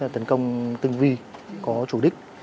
tấn công tương vi có chủ đích